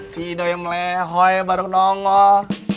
si doi yang melehoi baru nongol